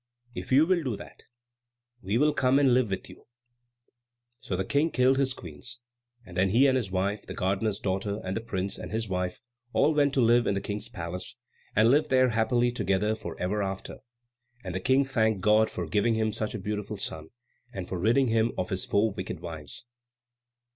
If you will do that, we will come and live with you." So the King killed his Queens, and then he and his wife, the gardener's daughter, and the prince and his wife, all went to live in the King's palace, and lived there happily together for ever after; and the King thanked God for giving him such a beautiful son, and for ridding him of his four wicked wives.